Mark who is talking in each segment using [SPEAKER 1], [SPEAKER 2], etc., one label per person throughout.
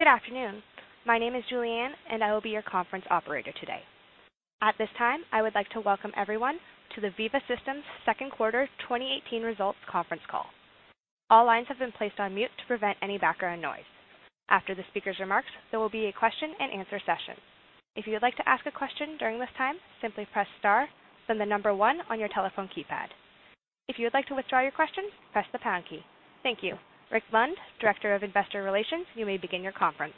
[SPEAKER 1] Good afternoon. My name is Julianne, and I will be your conference operator today. At this time, I would like to welcome everyone to the Veeva Systems second quarter 2018 results conference call. All lines have been placed on mute to prevent any background noise. After the speaker's remarks, there will be a question-and-answer session. If you would like to ask a question during this time, simply press star, then the number one on your telephone keypad. If you would like to withdraw your question, press the pound key. Thank you. Rick Lund, Director of Investor Relations, you may begin your conference.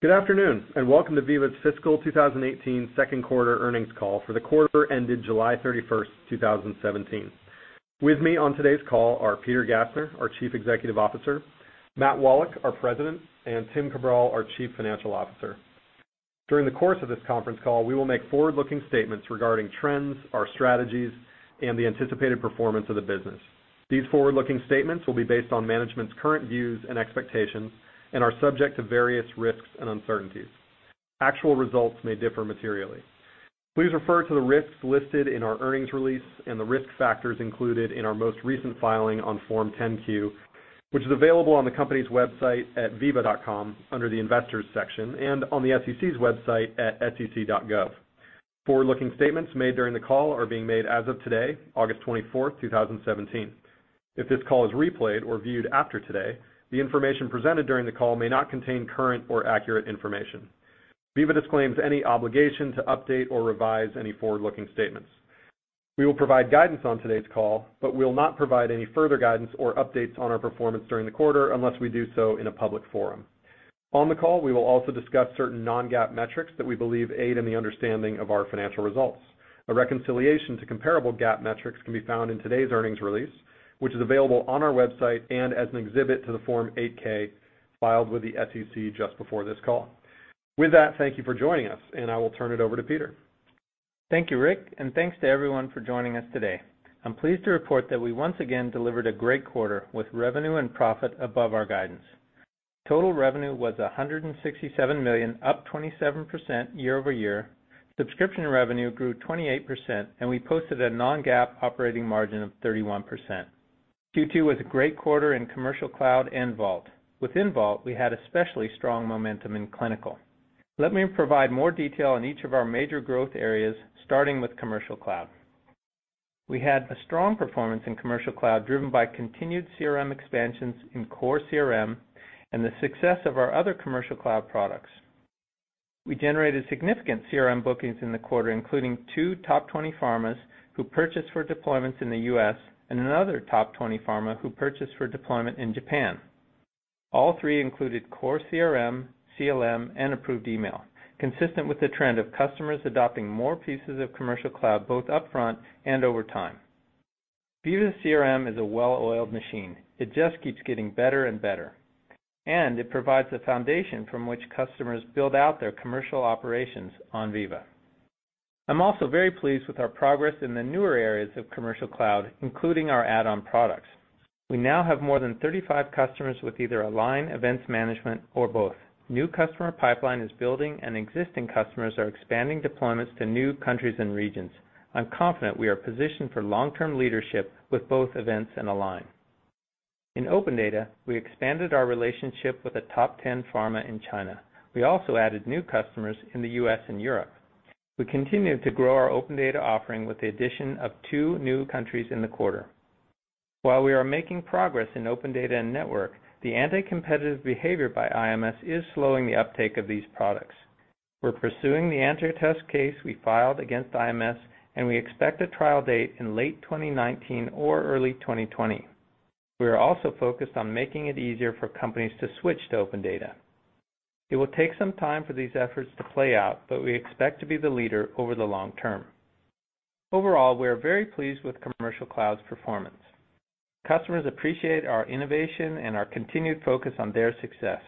[SPEAKER 2] Good afternoon, and welcome to Veeva's fiscal 2018 second quarter earnings call for the quarter ended July 31, 2017. With me on today's call are Peter Gassner, our Chief Executive Officer, Matt Wallach, our President, and Tim Cabral, our Chief Financial Officer. During the course of this conference call, we will make forward-looking statements regarding trends, our strategies, and the anticipated performance of the business. These forward-looking statements will be based on management's current views and expectations and are subject to various risks and uncertainties. Actual results may differ materially. Please refer to the risks listed in our earnings release and the risk factors included in our most recent filing on Form 10-Q, which is available on the company's website at veeva.com under the investors section and on the SEC's website at sec.gov. Forward-looking statements made during the call are being made as of today, August 24, 2017. If this call is replayed or viewed after today, the information presented during the call may not contain current or accurate information. Veeva disclaims any obligation to update or revise any forward-looking statements. We will provide guidance on today's call, but we will not provide any further guidance or updates on our performance during the quarter unless we do so in a public forum. On the call, we will also discuss certain non-GAAP metrics that we believe aid in the understanding of our financial results. A reconciliation to comparable GAAP metrics can be found in today's earnings release, which is available on our website and as an exhibit to the Form 8-K filed with the SEC just before this call. With that, thank you for joining us, and I will turn it over to Peter.
[SPEAKER 3] Thank you, Rick, and thanks to everyone for joining us today. I'm pleased to report that we once again delivered a great quarter with revenue and profit above our guidance. Total revenue was $167 million, up 27% year-over-year. Subscription revenue grew 28%, and we posted a non-GAAP operating margin of 31%. Q2 was a great quarter in Commercial Cloud and Vault. Within Vault, we had especially strong momentum in clinical. Let me provide more detail on each of our major growth areas, starting with Commercial Cloud. We had a strong performance in Commercial Cloud, driven by continued CRM expansions in core CRM and the success of our other Commercial Cloud products. We generated significant CRM bookings in the quarter, including two top 20 pharmas who purchased for deployments in the U.S. and another top 20 pharma who purchased for deployment in Japan. All three included core CRM, CLM, and Approved Email, consistent with the trend of customers adopting more pieces of Commercial Cloud both upfront and over time. Veeva CRM is a well-oiled machine. It just keeps getting better and better. It provides the foundation from which customers build out their commercial operations on Veeva. I'm also very pleased with our progress in the newer areas of Commercial Cloud, including our add-on products. We now have more than 35 customers with either Align, Events Management or both. New customer pipeline is building. Existing customers are expanding deployments to new countries and regions. I'm confident we are positioned for long-term leadership with both Events and Align. In OpenData, we expanded our relationship with a top 10 pharma in China. We also added new customers in the U.S. and Europe. We continued to grow our OpenData offering with the addition of two new countries in the quarter. While we are making progress in OpenData and Network, the anti-competitive behavior by IMS is slowing the uptake of these products. We're pursuing the antitrust case we filed against IMS, and we expect a trial date in late 2019 or early 2020. We are also focused on making it easier for companies to switch to OpenData. It will take some time for these efforts to play out, but we expect to be the leader over the long term. Overall, we are very pleased with Commercial Cloud's performance. Customers appreciate our innovation and our continued focus on their success.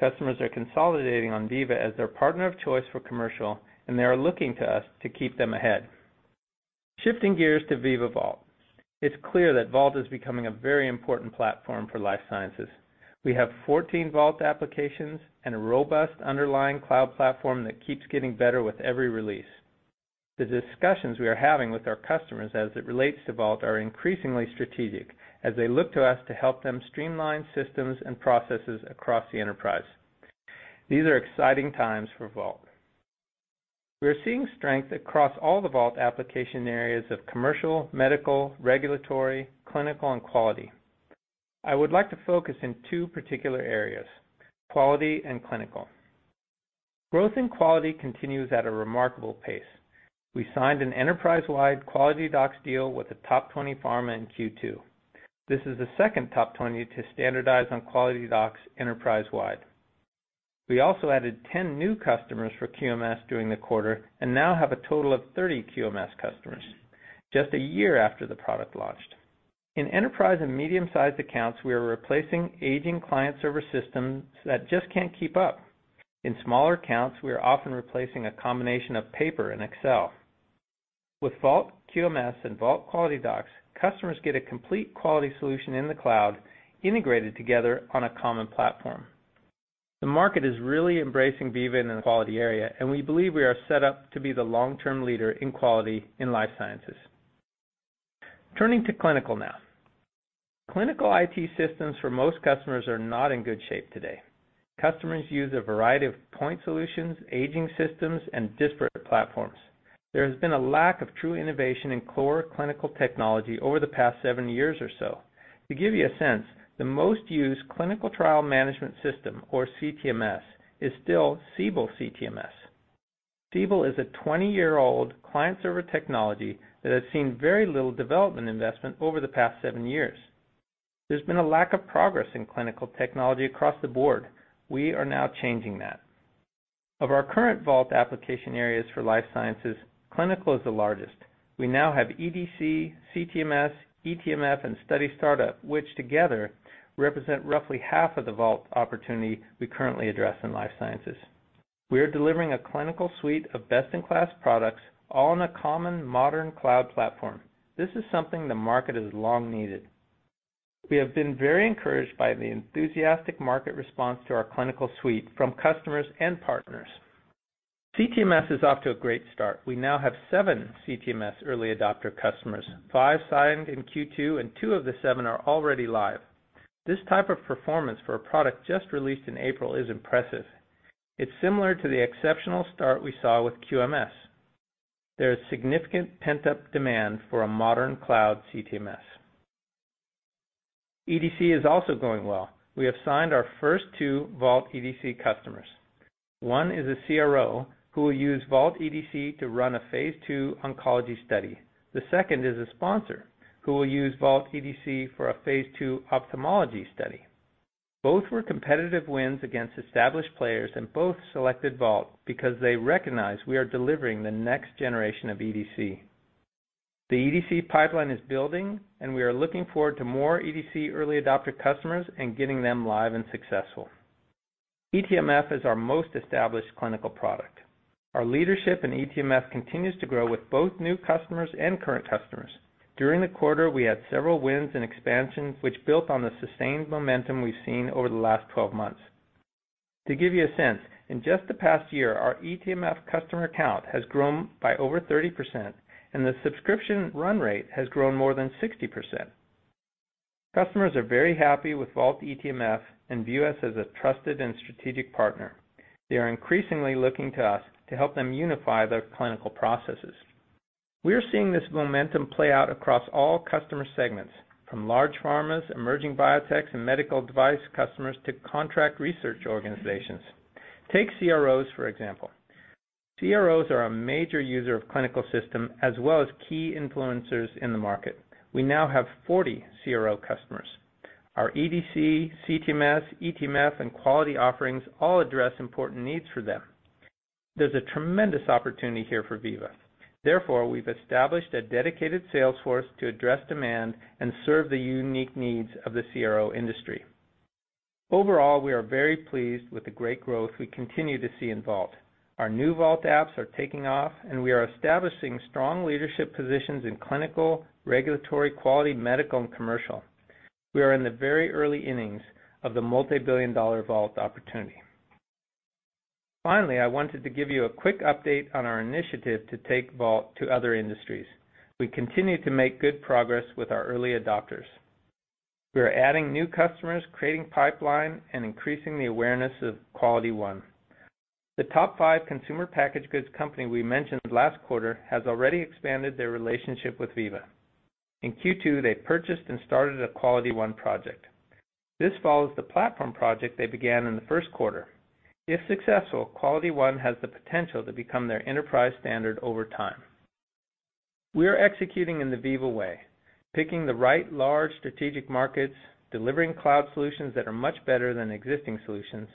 [SPEAKER 3] Customers are consolidating on Veeva as their partner of choice for commercial, and they are looking to us to keep them ahead. Shifting gears to Veeva Vault. It's clear that Vault is becoming a very important platform for life sciences. We have 14 Vault applications and a robust underlying cloud platform that keeps getting better with every release. The discussions we are having with our customers as it relates to Vault are increasingly strategic as they look to us to help them streamline systems and processes across the enterprise. These are exciting times for Vault. We are seeing strength across all the Vault application areas of commercial, medical, regulatory, clinical, and quality. I would like to focus in two particular areas, quality and clinical. Growth in quality continues at a remarkable pace. We signed an enterprise-wide QualityDocs deal with a top 20 pharma in Q2. This is the second top 20 to standardize on QualityDocs enterprise-wide. We also added 10 new customers for QMS during the quarter and now have a total of 30 QMS customers just a year after the product launched. In enterprise and medium-sized accounts, we are replacing aging client-server systems that just can't keep up. In smaller accounts, we are often replacing a combination of paper and Excel. With Vault QMS and Vault QualityDocs, customers get a complete quality solution in the cloud integrated together on a common platform. The market is really embracing Veeva in the quality area, and we believe we are set up to be the long-term leader in quality in life sciences. Turning to clinical now. Clinical IT systems for most customers are not in good shape today. Customers use a variety of point solutions, aging systems, and disparate platforms. There has been a lack of true innovation in core clinical technology over the past seven years or so. To give you a sense, the most used clinical trial management system, or CTMS, is still Siebel CTMS. Siebel is a 20-year-old client-server technology that has seen very little development investment over the past seven years. There's been a lack of progress in clinical technology across the board. We are now changing that. Of our current Vault application areas for life sciences, clinical is the largest. We now have EDC, CTMS, eTMF, and Study Startup, which together represent roughly half of the Vault opportunity we currently address in life sciences. We are delivering a clinical suite of best-in-class products, all in a common modern cloud platform. This is something the market has long needed. We have been very encouraged by the enthusiastic market response to our clinical suite from customers and partners. CTMS is off to a great start. We now have seven CTMS early adopter customers, five signed in Q2, and two of the seven are already live. This type of performance for a product just released in April is impressive. It's similar to the exceptional start we saw with QMS. There is significant pent-up demand for a modern cloud CTMS. EDC is also going well. We have signed our first two Vault EDC customers. One is a CRO who will use Vault EDC to run a phase II oncology study. The second is a sponsor who will use Vault EDC for a phase II ophthalmology study. Both were competitive wins against established players. Both selected Vault because they recognize we are delivering the next generation of EDC. The EDC pipeline is building, and we are looking forward to more EDC early adopter customers and getting them live and successful. eTMF is our most established clinical product. Our leadership in eTMF continues to grow with both new customers and current customers. During the quarter, we had several wins and expansions, which built on the sustained momentum we've seen over the last 12 months. To give you a sense, in just the past year, our eTMF customer count has grown by over 30%, and the subscription run rate has grown more than 60%. Customers are very happy with Vault eTMF and view us as a trusted and strategic partner. They are increasingly looking to us to help them unify their clinical processes. We are seeing this momentum play out across all customer segments, from large pharmas, emerging biotechs, and medical device customers to contract research organizations. Take CROs, for example. CROs are a major user of clinical system as well as key influencers in the market. We now have 40 CRO customers. Our EDC, CTMS, eTMF, and quality offerings all address important needs for them. There's a tremendous opportunity here for Veeva. Therefore, we've established a dedicated sales force to address demand and serve the unique needs of the CRO industry. Overall, we are very pleased with the great growth we continue to see in Vault. Our new Vault apps are taking off, and we are establishing strong leadership positions in clinical, regulatory, quality, medical, and commercial. We are in the very early innings of the multi-billion-dollar Vault opportunity. Finally, I wanted to give you a quick update on our initiative to take Vault to other industries. We continue to make good progress with our early adopters. We are adding new customers, creating pipeline, and increasing the awareness of QualityOne. The top five consumer packaged goods company we mentioned last quarter has already expanded their relationship with Veeva. In Q2, they purchased and started a QualityOne project. This follows the platform project they began in the first quarter. If successful, QualityOne has the potential to become their enterprise standard over time. We are executing in the Veeva way, picking the right large strategic markets, delivering cloud solutions that are much better than existing solutions,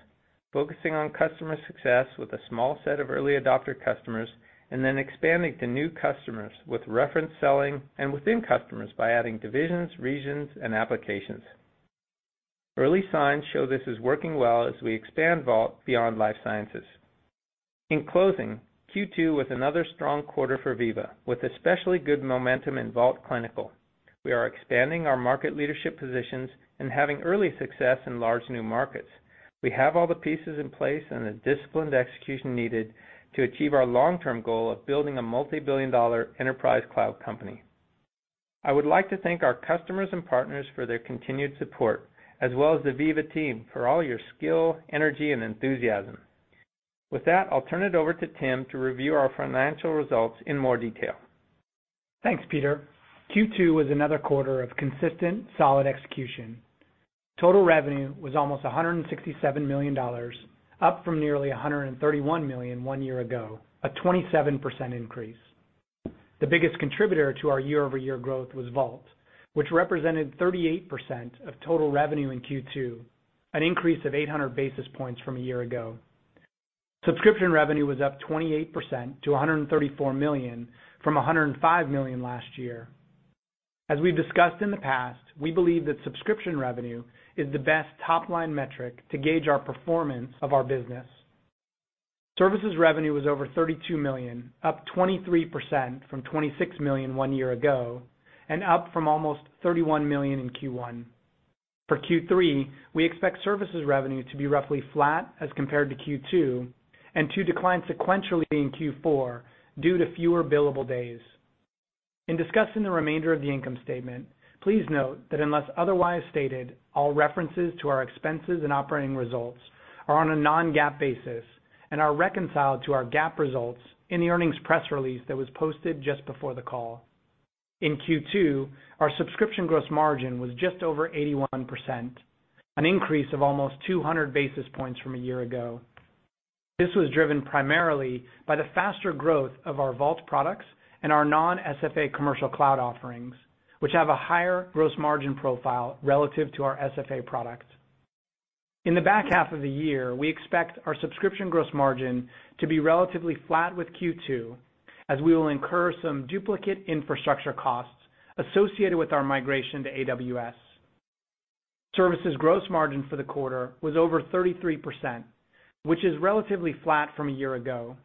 [SPEAKER 3] focusing on customer success with a small set of early adopter customers, and then expanding to new customers with reference selling and within customers by adding divisions, regions, and applications. Early signs show this is working well as we expand Vault beyond life sciences. In closing, Q2 was another strong quarter for Veeva, with especially good momentum in Vault Clinical. We are expanding our market leadership positions and having early success in large new markets. We have all the pieces in place and the disciplined execution needed to achieve our long-term goal of building a multi-billion-dollar enterprise cloud company. I would like to thank our customers and partners for their continued support, as well as the Veeva team for all your skill, energy, and enthusiasm. With that, I'll turn it over to Tim to review our financial results in more detail.
[SPEAKER 4] Thanks, Peter. Q2 was another quarter of consistent, solid execution. Total revenue was almost $167 million, up from nearly $131 million one year ago, a 27% increase. The biggest contributor to our year-over-year growth was Vault, which represented 38% of total revenue in Q2, an increase of 800 basis points from a year ago. Subscription revenue was up 28% to $134 million from $105 million last year. As we've discussed in the past, we believe that subscription revenue is the best top-line metric to gauge our performance of our business. Services revenue was over $32 million, up 23% from $26 million one year ago and up from almost $31 million in Q1. For Q3, we expect services revenue to be roughly flat as compared to Q2 and to decline sequentially in Q4 due to fewer billable days. In discussing the remainder of the income statement, please note that unless otherwise stated, all references to our expenses and operating results are on a non-GAAP basis and are reconciled to our GAAP results in the earnings press release that was posted just before the call. In Q2, our subscription gross margin was just over 81%, an increase of almost 200 basis points from a year ago. This was driven primarily by the faster growth of our Vault products and our non-SFA Commercial Cloud offerings, which have a higher gross margin profile relative to our SFA products. In the back half of the year, we expect our subscription gross margin to be relatively flat with Q2 as we will incur some duplicate infrastructure costs associated with our migration to AWS. Services gross margin for the quarter was over 33%, which is relatively flat from one year ago.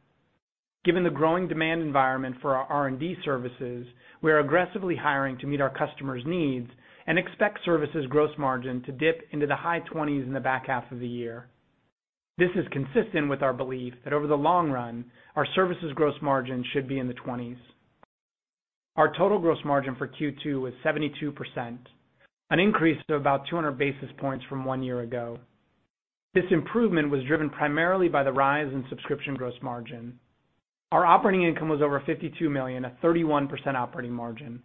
[SPEAKER 4] Given the growing demand environment for our R&D services, we are aggressively hiring to meet our customers' needs and expect services gross margin to dip into the high 20s in the back half of the year. This is consistent with our belief that over the long run, our services gross margin should be in the 20s. Our total gross margin for Q2 was 72%, an increase of about 200 basis points from one year ago. This improvement was driven primarily by the rise in subscription gross margin. Our operating income was over $52 million, a 31% operating margin.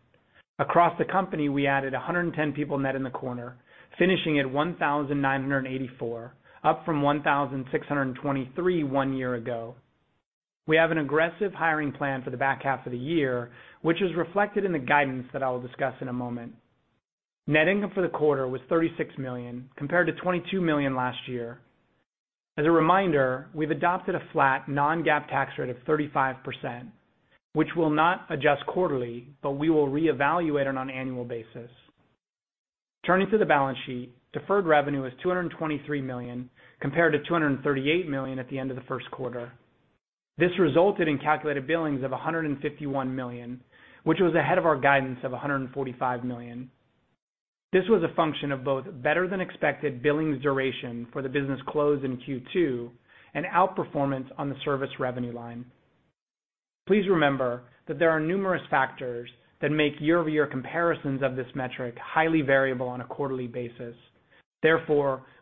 [SPEAKER 4] Across the company, we added 110 people net in the quarter, finishing at 1,984, up from 1,623 one year ago. We have an aggressive hiring plan for the back half of the year, which is reflected in the guidance that I will discuss in a moment. Net income for the quarter was $36 million, compared to $22 million last year. As a reminder, we've adopted a flat non-GAAP tax rate of 35%, which will not adjust quarterly, but we will reevaluate it on an annual basis. Turning to the balance sheet, deferred revenue is $223 million, compared to $238 million at the end of the first quarter. This resulted in calculated billings of $151 million, which was ahead of our guidance of $145 million. This was a function of both better than expected billings duration for the business closed in Q2 and outperformance on the service revenue line. Please remember that there are numerous factors that make year-over-year comparisons of this metric highly variable on a quarterly basis.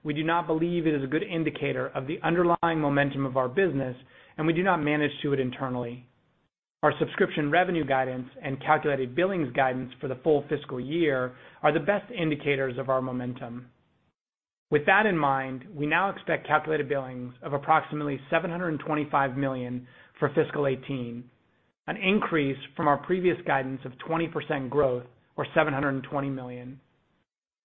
[SPEAKER 4] We do not believe it is a good indicator of the underlying momentum of our business, and we do not manage to it internally. Our subscription revenue guidance and calculated billings guidance for the full fiscal year are the best indicators of our momentum. With that in mind, we now expect calculated billings of approximately $725 million for fiscal 2018, an increase from our previous guidance of 20% growth or $720 million.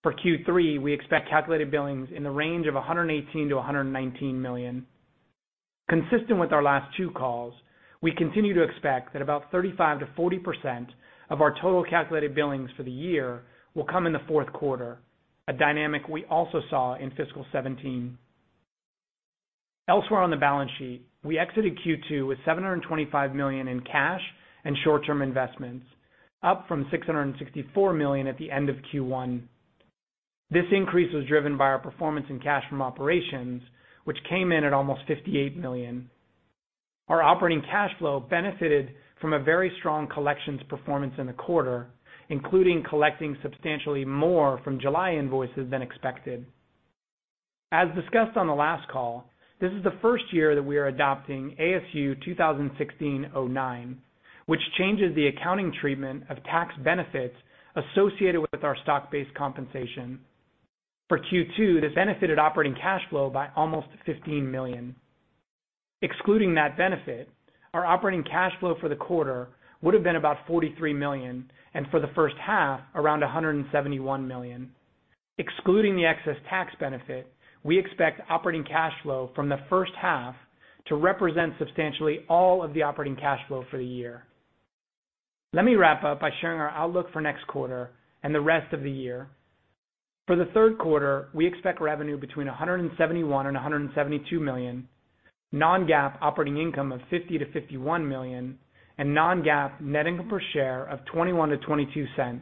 [SPEAKER 4] For Q3, we expect calculated billings in the range of $118 million-$119 million. Consistent with our last two calls, we continue to expect that about 35%-40% of our total calculated billings for the year will come in the fourth quarter, a dynamic we also saw in fiscal 2017. Elsewhere on the balance sheet, we exited Q2 with $725 million in cash and short-term investments, up from $664 million at the end of Q1. This increase was driven by our performance in cash from operations, which came in at almost $58 million. Our operating cash flow benefited from a very strong collections performance in the quarter, including collecting substantially more from July invoices than expected. As discussed on the last call, this is the first year that we are adopting ASU 2016-09, which changes the accounting treatment of tax benefits associated with our stock-based compensation. For Q2, this benefited operating cash flow by almost $15 million. Excluding that benefit, our operating cash flow for the quarter would have been about $43 million, and for the first half, around $171 million. Excluding the excess tax benefit, we expect operating cash flow from the first half to represent substantially all of the operating cash flow for the year. Let me wrap up by sharing our outlook for next quarter and the rest of the year. For the third quarter, we expect revenue between $171 million and $172 million, non-GAAP operating income of $50 million-$51 million, and non-GAAP net income per share of $0.21-$0.22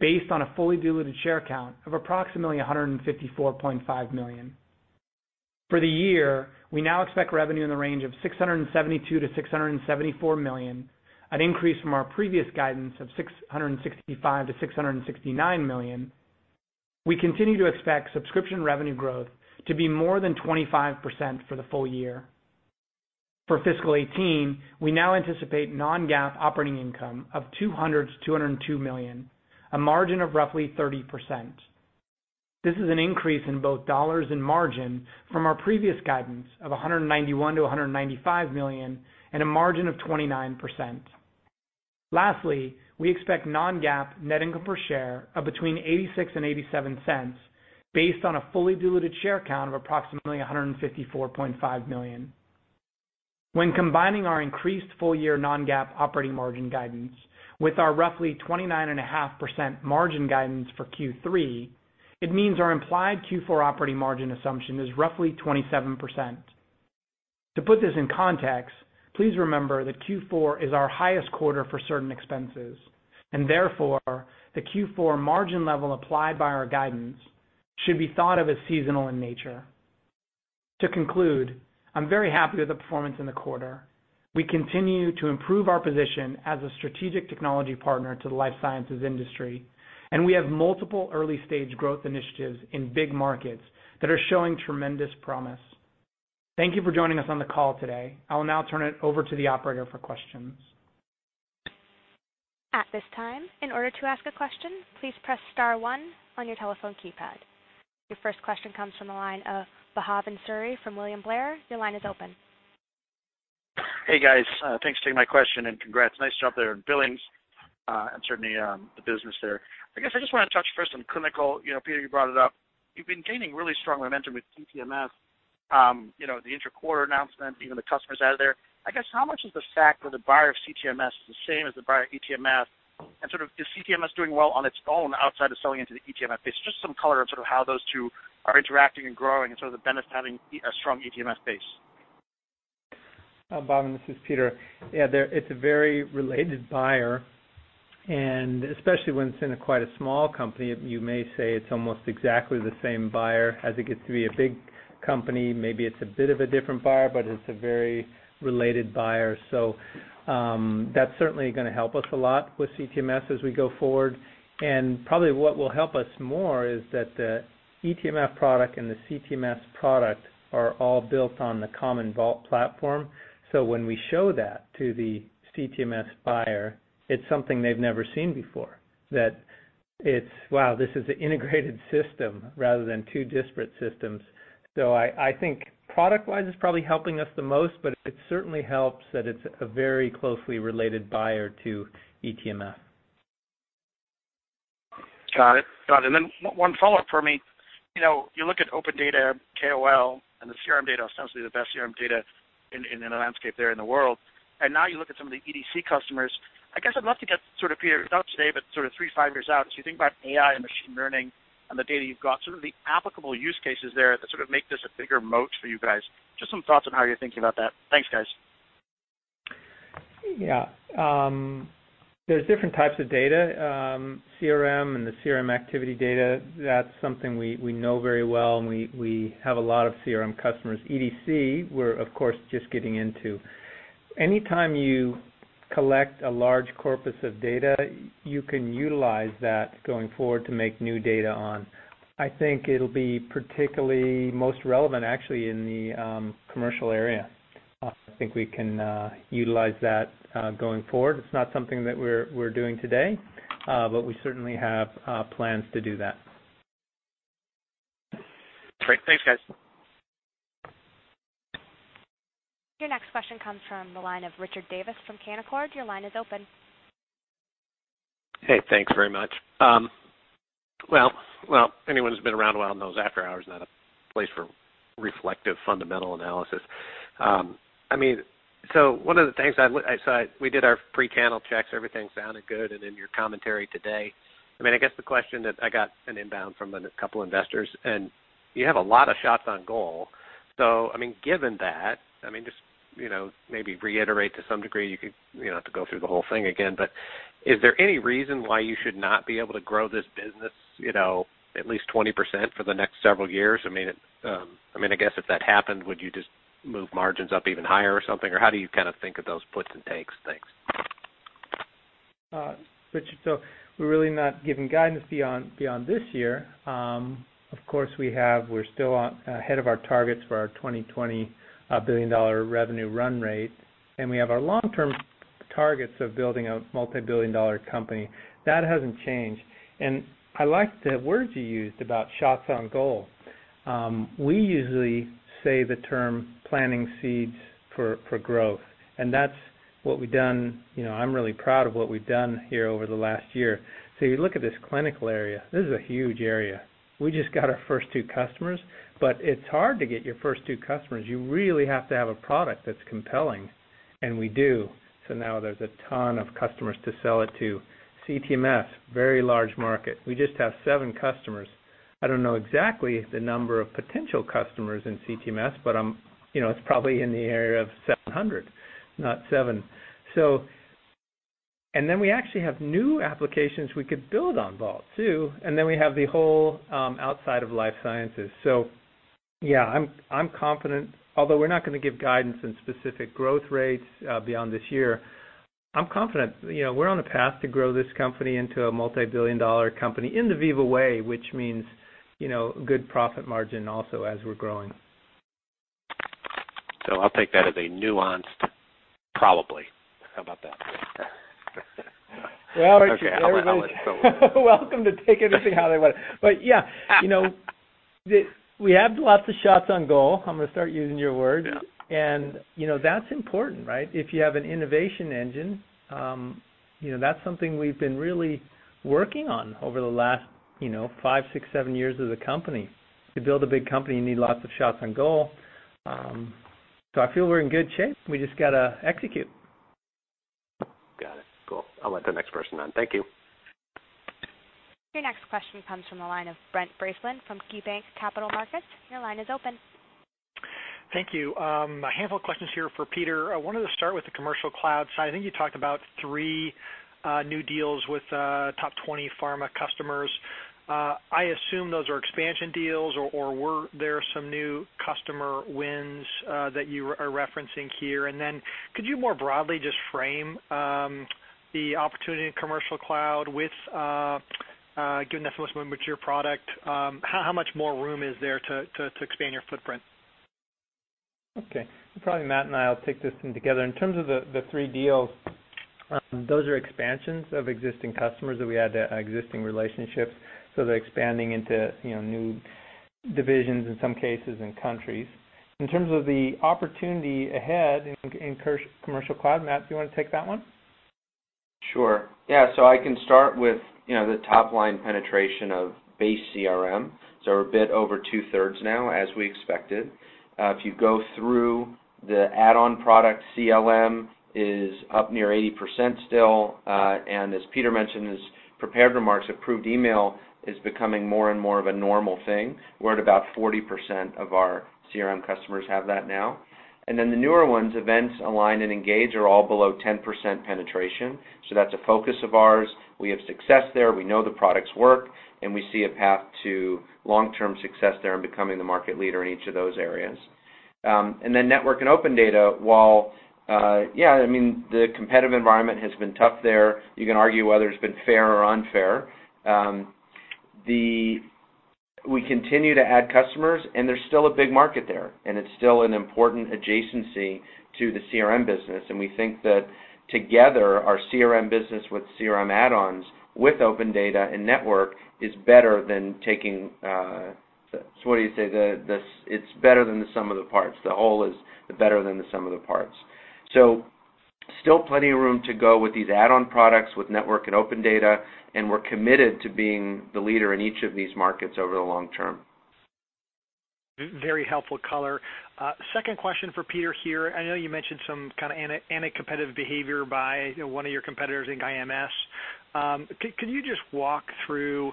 [SPEAKER 4] based on a fully diluted share count of approximately 154.5 million. For the year, we now expect revenue in the range of $672 million-$674 million, an increase from our previous guidance of $665 million-$669 million. We continue to expect subscription revenue growth to be more than 25% for the full year. For fiscal 2018, we now anticipate non-GAAP operating income of $200 million-$202 million, a margin of roughly 30%. This is an increase in both dollars and margin from our previous guidance of $191 million-$195 million and a margin of 29%. We expect non-GAAP net income per share of between $0.86 and $0.87 based on a fully diluted share count of approximately 154.5 million. When combining our increased full-year non-GAAP operating margin guidance with our roughly 29.5% margin guidance for Q3, it means our implied Q4 operating margin assumption is roughly 27%. To put this in context, please remember that Q4 is our highest quarter for certain expenses, and therefore, the Q4 margin level applied by our guidance should be thought of as seasonal in nature. To conclude, I'm very happy with the performance in the quarter. We continue to improve our position as a strategic technology partner to the life sciences industry, and we have multiple early-stage growth initiatives in big markets that are showing tremendous promise. Thank you for joining us on the call today. I will now turn it over to the operator for questions.
[SPEAKER 1] At this time, in order to ask a question, please press star 1 on your telephone keypad. Your first question comes from the line of Bhavan Suri from William Blair.
[SPEAKER 5] Hey, guys. Thanks for taking my question and congrats. Nice job there on billings, certainly, the business there. I guess I just wanna touch first on clinical. You know, Peter, you brought it up. You've been gaining really strong momentum with CTMS, you know, the inter-quarter announcement, even the customers out of there. I guess, how much is the fact that the buyer of CTMS is the same as the buyer of eTMF, and sort of is CTMS doing well on its own outside of selling into the eTMF base? Just some color on sort of how those two are interacting and growing and sort of the benefits of having a strong eTMF base.
[SPEAKER 3] Bhavan, this is Peter. Yeah, it's a very related buyer and especially when it's in a quite a small company, you may say it's almost exactly the same buyer. As it gets to be a big company, maybe it's a bit of a different buyer, but it's a very related buyer. That's certainly gonna help us a lot with CTMS as we go forward. Probably what will help us more is that the eTMF product and the CTMS product are all built on the common Vault platform. When we show that to the CTMS buyer, it's something they've never seen before, that it's, "Wow, this is an integrated system rather than two disparate systems." I think product-wise it's probably helping us the most, but it certainly helps that it's a very closely related buyer to eTMF.
[SPEAKER 5] Got it. One follow-up for me. You know, you look at OpenData KOL and the CRM data, ostensibly the best CRM data in the landscape there in the world, and now you look at some of the EDC customers. I guess I'd love to get sort of, Peter, your thoughts today, but sort of three to five years out. As you think about AI and machine learning and the data you've got, sort of the applicable use cases there that sort of make this a bigger moat for you guys. Just some thoughts on how you're thinking about that. Thanks, guys.
[SPEAKER 3] Yeah. There's different types of data. CRM and the CRM activity data, that's something we know very well, and we have a lot of CRM customers. EDC, we're of course just getting into. Anytime you collect a large corpus of data, you can utilize that going forward to make new data on. I think it'll be particularly most relevant actually in the commercial area. I think we can utilize that going forward. It's not something that we're doing today, but we certainly have plans to do that.
[SPEAKER 5] Great. Thanks, guys.
[SPEAKER 1] Your next question comes from the line of Richard Davis from Canaccord. Your line is open.
[SPEAKER 6] Hey, thanks very much. Well, anyone who's been around a while knows after hours is not a place for reflective fundamental analysis. I mean, so one of the things I saw, we did our pre-channel checks, everything sounded good, and in your commentary today. I mean, I guess the question that I got an inbound from a couple investors. You have a lot of shots on goal. I mean, given that, I mean, just, you know, maybe reiterate to some degree, you could, you know, have to go through the whole thing again, but is there any reason why you should not be able to grow this business, you know, at least 20% for the next several years? I mean, it, I mean, I guess if that happened, would you just move margins up even higher or something, or how do you kinda think of those puts and takes? Thanks.
[SPEAKER 3] Richard, we're really not giving guidance beyond this year. Of course, we're still ahead of our targets for our 2020 billion-dollar revenue run rate. We have our long-term targets of building a multi-billion-dollar company. That hasn't changed. I like the words you used about shots on goal. We usually say the term planning seeds for growth. That's what we've done. You know, I'm really proud of what we've done here over the last year. You look at this clinical area, this is a huge area. We just got our first 2 customers. It's hard to get your first 2 customers. You really have to have a product that's compelling. We do. Now there's a ton of customers to sell it to. CTMS, very large market. We just have 7 customers. I don't know exactly the number of potential customers in CTMS, but I'm, you know, it's probably in the area of 700, not seven. We actually have new applications we could build on Vault too, and then we have the whole outside of life sciences. Yeah, I'm confident. Although we're not gonna give guidance in specific growth rates beyond this year, I'm confident. You know, we're on a path to grow this company into a multi-billion-dollar company in the Veeva way, which means, you know, good profit margin also as we're growing.
[SPEAKER 6] I'll take that as a nuanced probably. How about that?
[SPEAKER 3] Well, Richard, they're.
[SPEAKER 6] Okay. I'll let it go.
[SPEAKER 3] Welcome to take anything how they want it. Yeah. You know, we have lots of shots on goal. I'm gonna start using your word.
[SPEAKER 6] Yeah.
[SPEAKER 3] You know, that's important, right? If you have an innovation engine, you know, that's something we've been really working on over the last, you know, five, six, seven years as a company. To build a big company, you need lots of shots on goal. I feel we're in good shape. We just gotta execute.
[SPEAKER 6] I'll let the next person on. Thank you.
[SPEAKER 1] Your next question comes from the line of Brent Bracelin from KeyBanc Capital Markets. Your line is open.
[SPEAKER 7] Thank you. A handful of questions here for Peter. I wanted to start with the Commercial Cloud side. I think you talked about three new deals with top 20 pharma customers. I assume those are expansion deals or were there some new customer wins that you are referencing here? Could you more broadly just frame the opportunity in Commercial Cloud with given that's a less mature product, how much more room is there to expand your footprint?
[SPEAKER 3] Okay. Probably Matt and I will take this one together. In terms of the three deals, those are expansions of existing customers that we had existing relationships, so they're expanding into, you know, new divisions, in some cases and countries. In terms of the opportunity ahead in Commercial Cloud, Matt, do you wanna take that one?
[SPEAKER 8] Sure. Yeah. I can start with, you know, the top line penetration of base CRM. We're a bit over 2/3 now, as we expected. If you go through the add-on product, CLM is up near 80% still. As Peter mentioned in his prepared remarks, Approved Email is becoming more and more of a normal thing. We're at about 40% of our CRM customers have that now. The newer ones, Events, Align, and Engage are all below 10% penetration, that's a focus of ours. We have success there. We know the products work, we see a path to long-term success there in becoming the market leader in each of those areas. Network and OpenData, while, yeah, I mean, the competitive environment has been tough there. You can argue whether it's been fair or unfair. We continue to add customers, there's still a big market there, it's still an important adjacency to the CRM business. We think that together, our CRM business with CRM add-ons, with OpenData and Network is better than taking, so what do you say? It's better than the sum of the parts. The whole is the better than the sum of the parts. Still plenty of room to go with these add-on products, with Network and OpenData, we're committed to being the leader in each of these markets over the long term.
[SPEAKER 7] Very helpful color. Second question for Peter here. I know you mentioned some kinda anti-competitive behavior by, you know, one of your competitors in IMS. Could you just walk through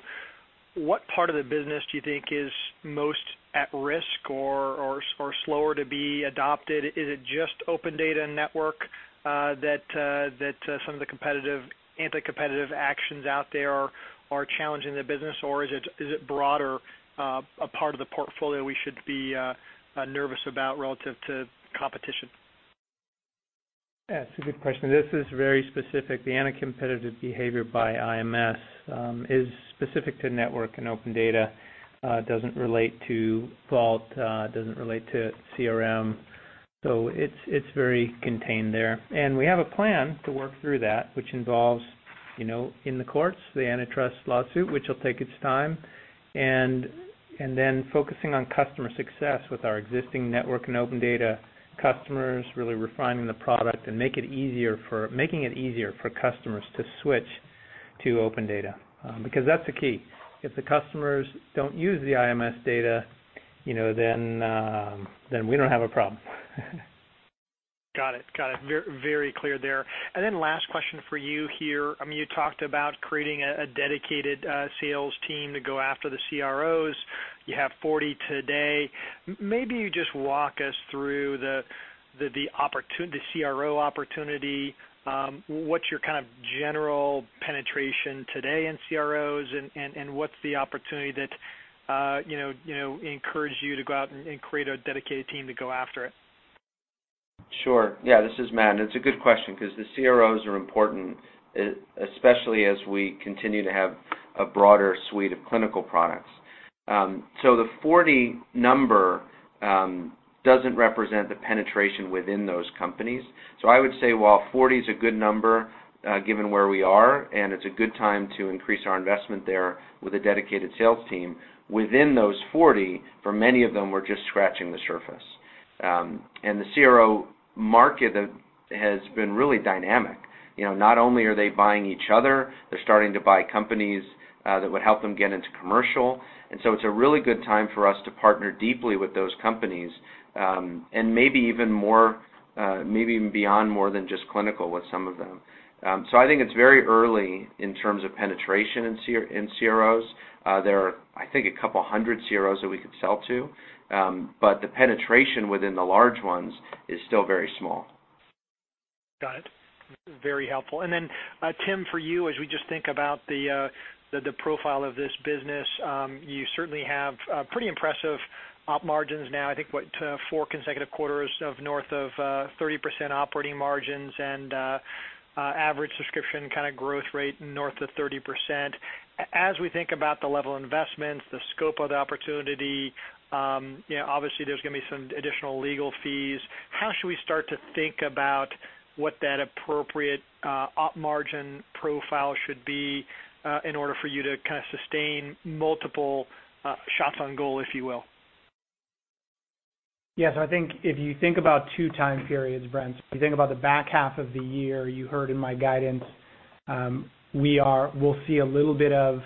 [SPEAKER 7] what part of the business do you think is most at risk or slower to be adopted? Is it just OpenData and Network that some of the anti-competitive actions out there are challenging the business, or is it broader a part of the portfolio we should be nervous about relative to competition?
[SPEAKER 3] Yeah, it's a good question. This is very specific. The anticompetitive behavior by IMS is specific to Network and OpenData. It doesn't relate to Vault, it doesn't relate to CRM. It's very contained there. We have a plan to work through that, which involves, you know, in the courts, the antitrust lawsuit, which will take its time, and then focusing on customer success with our existing Network and OpenData customers, really refining the product and making it easier for customers to switch to OpenData. Because that's the key. If the customers don't use the IMS data, you know, then we don't have a problem.
[SPEAKER 7] Got it. Got it. Very clear there. Last question for you here. I mean, you talked about creating a dedicated sales team to go after the CROs. You have 40 today. Maybe you just walk us through the CRO opportunity. What's your kind of general penetration today in CROs and what's the opportunity that, you know, encouraged you to go out and create a dedicated team to go after it?
[SPEAKER 8] Sure. This is Matt. It's a good question 'cause the CROs are important, especially as we continue to have a broader suite of clinical products. The 40 number doesn't represent the penetration within those companies. I would say while 40 is a good number, given where we are, and it's a good time to increase our investment there with a dedicated sales team, within those 40, for many of them, we're just scratching the surface. The CRO market has been really dynamic. You know, not only are they buying each other, they're starting to buy companies that would help them get into commercial. It's a really good time for us to partner deeply with those companies, and maybe even more, maybe even beyond more than just clinical with some of them. I think it's very early in terms of penetration in CROs. There are, I think, a couple hundred CROs that we could sell to. The penetration within the large ones is still very small.
[SPEAKER 7] Got it. Very helpful. Tim, for you, as we just think about the profile of this business, you certainly have pretty impressive op margins now. I think, what, four consecutive quarters of north of 30% operating margins and average subscription kinda growth rate north of 30%. As we think about the level of investments, the scope of the opportunity, you know, obviously there's gonna be some additional legal fees. How should we start to think about what that appropriate op margin profile should be in order for you to kinda sustain multiple shots on goal, if you will?
[SPEAKER 4] Yes. I think if you think about two time periods, Brent. If you think about the back half of the year, you heard in my guidance, we'll see a little bit of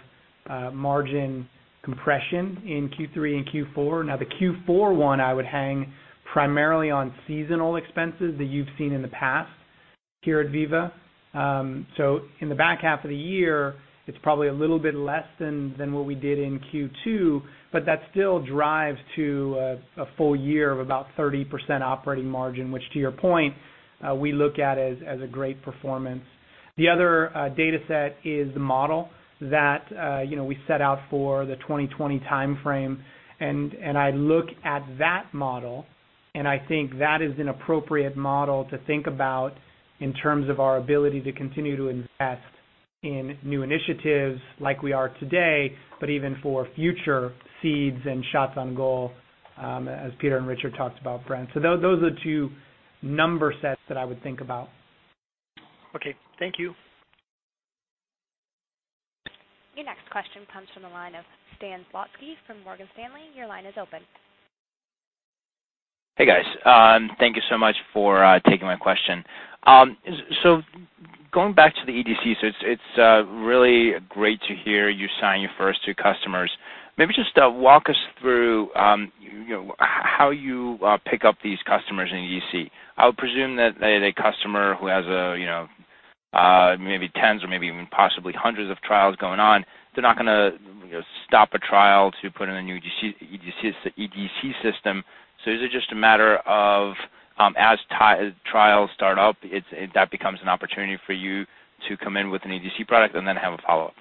[SPEAKER 4] margin compression in Q3 and Q4. The Q4 one, I would hang primarily on seasonal expenses that you've seen in the past here at Veeva. In the back half of the year, it's probably a little bit less than what we did in Q2, but that still drives to a full year of about 30% operating margin, which to your point, we look at as a great performance. The other dataset is the model that, you know, we set out for the 2020 timeframe. I look at that model, and I think that is an appropriate model to think about in terms of our ability to continue to invest in new initiatives like we are today, but even for future seeds and shots on goal, as Peter and Richard talked about, Brent. Those are the two number sets that I would think about.
[SPEAKER 7] Okay. Thank you.
[SPEAKER 1] Your next question comes from the line of Stan Zlotsky from Morgan Stanley. Your line is open.
[SPEAKER 9] Hey, guys. Thank you so much for taking my question. Going back to the EDC, it's really great to hear you sign your first two customers. Maybe just walk us through, you know, how you pick up these customers in EDC. I would presume that a customer who has, you know, maybe tens or maybe even possibly hundreds of trials going on, they're not gonna, you know, stop a trial to put in a new EDC system. Is it just a matter of, as trials start up, that becomes an opportunity for you to come in with an EDC product? I have a follow-up.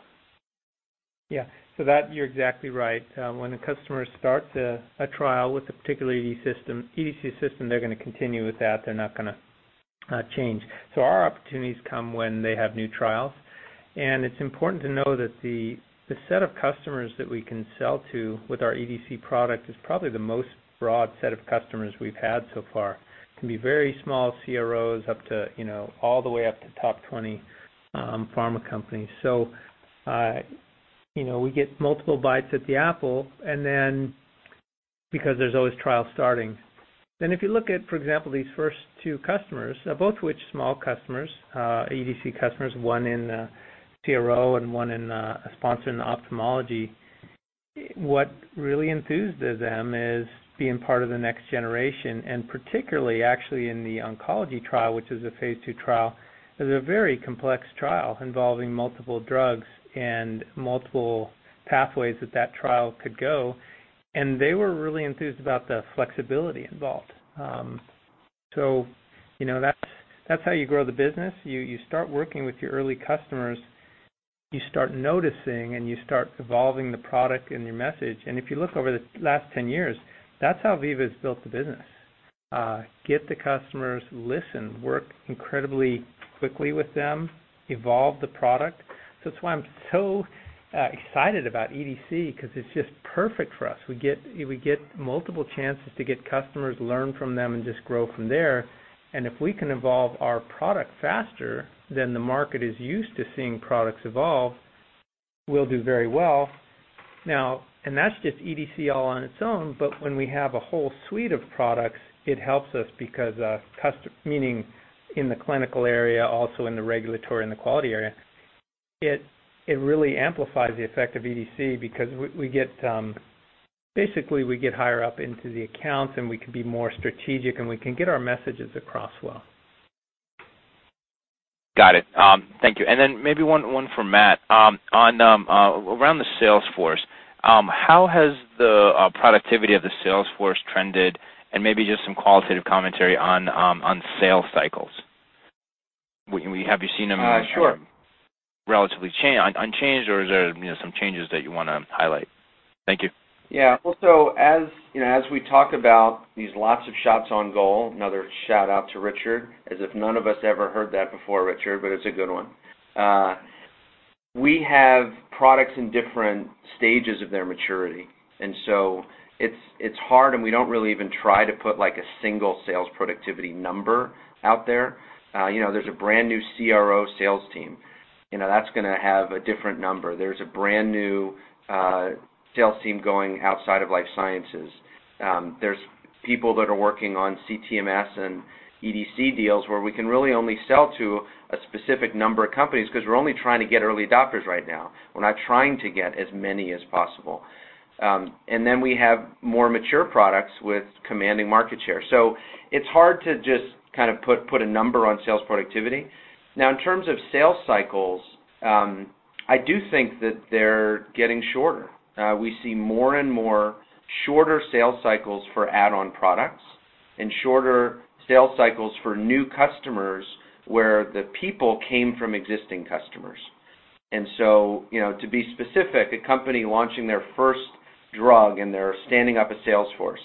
[SPEAKER 3] Yeah. That you're exactly right. When a customer starts a trial with a particular EDC system, they're gonna continue with that. They're not gonna change. Our opportunities come when they have new trials. It's important to know that the set of customers that we can sell to with our EDC product is probably the most broad set of customers we've had so far. It can be very small CROs up to, you know, all the way up to top 20 pharma companies. You know, we get multiple bites at the apple and then because there's always trials starting. If you look at, for example, these first two customers, both of which small customers, EDC customers, one in CRO and one in a sponsor in ophthalmology, what really enthused them is being part of the next generation, and particularly actually in the oncology trial, which is a phase II trial, is a very complex trial involving multiple drugs and multiple pathways that that trial could go. They were really enthused about the flexibility involved. You know, that's how you grow the business. You start working with your early customers. You start noticing, and you start evolving the product and your message. If you look over the last 10 years, that's how Veeva's built the business. Get the customers, listen, work incredibly quickly with them, evolve the product. That's why I'm so excited about EDC because it's just perfect for us. We get multiple chances to get customers, learn from them, and just grow from there. If we can evolve our product faster than the market is used to seeing products evolve, we'll do very well. That's just EDC all on its own. When we have a whole suite of products, it helps us because meaning in the clinical area, also in the regulatory and the quality area, it really amplifies the effect of EDC because we get, basically, we get higher up into the accounts, and we can be more strategic, and we can get our messages across well.
[SPEAKER 9] Got it. Thank you. Maybe one for Matt on around the sales force, how has the productivity of the sales force trended and maybe just some qualitative commentary on sales cycles? Have you seen them-
[SPEAKER 8] Sure.
[SPEAKER 9] relatively unchanged or is there, you know, some changes that you wanna highlight? Thank you.
[SPEAKER 8] Yeah. Well, as, you know, as we talk about these lots of shots on goal, another shout-out to Richard, as if none of us ever heard that before, Richard, but it's a good one. We have products in different stages of their maturity, and so it's hard, and we don't really even try to put, like, a single sales productivity number out there. You know, there's a brand-new CRO sales team. You know, that's gonna have a different number. There's a brand-new sales team going outside of life sciences. There's people that are working on CTMS and EDC deals where we can really only sell to a specific number of companies because we're only trying to get early adopters right now. We're not trying to get as many as possible. We have more mature products with commanding market share. It's hard to just kind of put a number on sales productivity. Now, in terms of sales cycles, I do think that they're getting shorter. We see more and more shorter sales cycles for add-on products and shorter sales cycles for new customers where the people came from existing customers. You know, to be specific, a company launching their first drug, and they're standing up a sales force.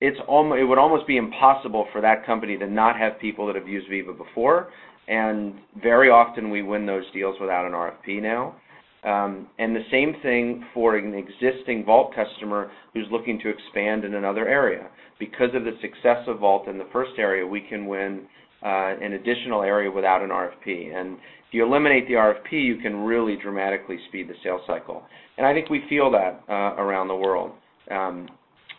[SPEAKER 8] It would almost be impossible for that company to not have people that have used Veeva before, and very often we win those deals without an RFP now. The same thing for an existing Vault customer who's looking to expand in another area. Because of the success of Vault in the first area, we can win an additional area without an RFP. If you eliminate the RFP, you can really dramatically speed the sales cycle. I think we feel that around the world.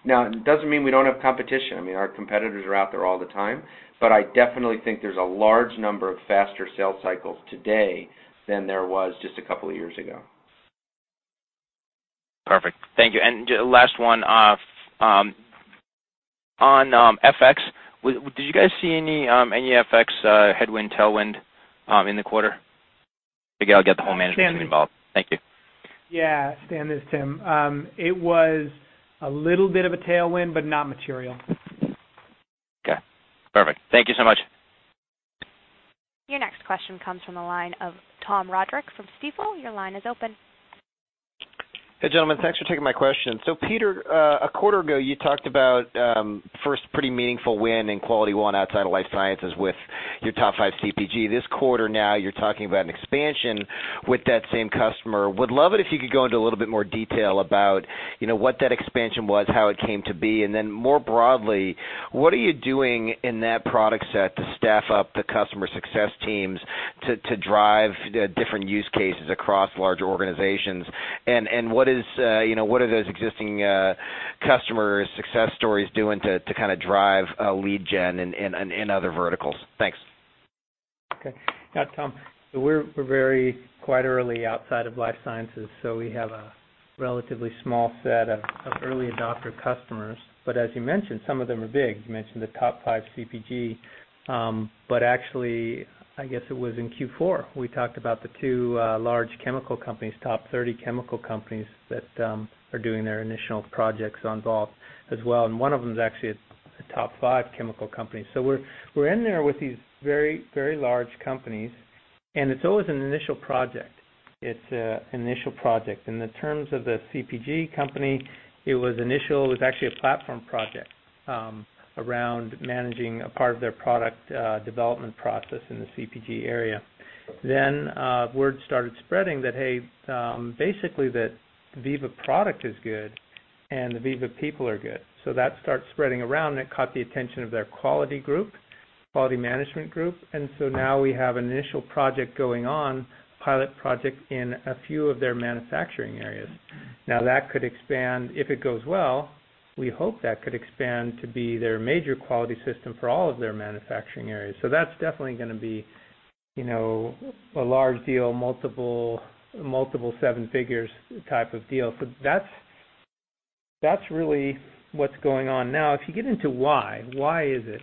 [SPEAKER 8] It doesn't mean we don't have competition. I mean, our competitors are out there all the time, but I definitely think there's a large number of faster sales cycles today than there was just a couple of years ago.
[SPEAKER 9] Perfect. Thank you. Last one, on FX, did you guys see any FX headwind, tailwind, in the quarter? Maybe I'll get the whole management team involved. Thank you.
[SPEAKER 4] Yeah, Stan, this is Tim. It was a little bit of a tailwind, but not material.
[SPEAKER 9] Okay. Perfect. Thank you so much.
[SPEAKER 1] Your next question comes from the line of Tom Roderick from Stifel. Your line is open.
[SPEAKER 10] Hey, gentlemen. Thanks for taking my question. Peter, a quarter ago, you talked about first pretty meaningful win in QualityOne outside of life sciences with your top five CPG. This quarter now you're talking about an expansion with that same customer. Would love it if you could go into a little bit more detail about, you know, what that expansion was, how it came to be, and then more broadly, what are you doing in that product set to staff up the customer success teams to drive different use cases across larger organizations? What is, you know, what are those existing customers' success stories doing to kinda drive lead gen in other verticals? Thanks.
[SPEAKER 3] Okay. Yeah, Tom, we're very quite early outside of life sciences. We have a relatively small set of early adopter customers. As you mentioned, some of them are big. You mentioned the top five CPG. Actually, I guess it was in Q4, we talked about the two large chemical companies, top 30 chemical companies that are doing their initial projects on Vault as well. One of them is actually a top five chemical company. We're in there with these very large companies. It's always an initial project. In the terms of the CPG company, it was actually a platform project around managing a part of their product development process in the CPG area. Word started spreading that, hey, basically that Veeva product is good and the Veeva people are good. That starts spreading around, and it caught the attention of their quality group, quality management group. We have an initial project going on, pilot project in a few of their manufacturing areas. That could expand. If it goes well, we hope that could expand to be their major quality system for all of their manufacturing areas. That's definitely gonna be, you know, a large deal, multiple seven figures type of deal. That's really what's going on. If you get into why is it?